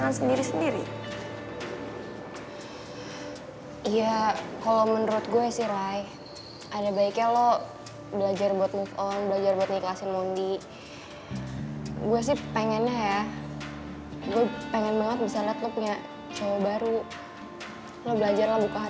atau mungkin bisa lebih parah